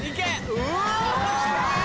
うわ！